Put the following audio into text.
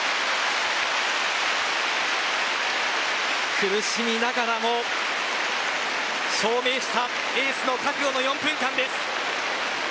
苦しみながらも証明したエースの覚悟の４分間です。